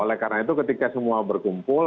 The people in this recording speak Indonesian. oleh karena itu ketika semua berkumpul